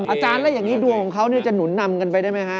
อาจารย์แล้วอย่างนี้ดวงของเขาจะหนุนนำกันไปได้ไหมฮะ